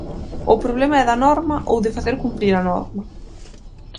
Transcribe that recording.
O problema é da norma ou de facer cumprir a norma?